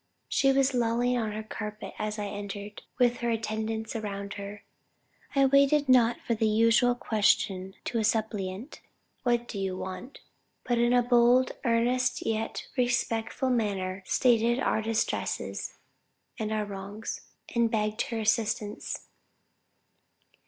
She was lolling on her carpet as I entered, with her attendants around her. I waited not for the usual question to a suppliant, 'What do you want?' but in a bold, earnest yet respectful manner, stated our distresses and our wrongs, and begged her assistance.